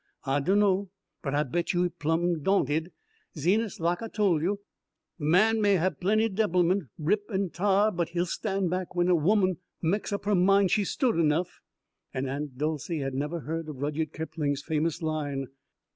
"I dunno but I bet you he plumb da'nted. Zenas, lak I tol' you man may hab plenty debbilment, rip en t'ar, but he'll stan' back whenas a ooman meks up her min' she stood enough." And Aunt Dolcey had never heard of Rudyard Kipling's famous line.